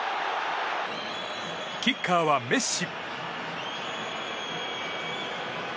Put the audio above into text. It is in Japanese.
キッカーはメッシ。